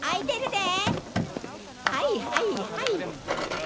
はいはいはい。